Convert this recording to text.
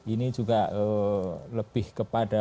ini juga lebih kepada